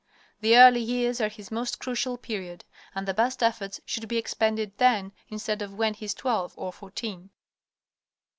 The early years are his most crucial period, and the best efforts should be expended then instead of when he is twelve or fourteen.